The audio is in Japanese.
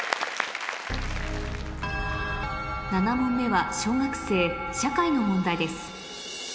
７問目は小学生社会の問題です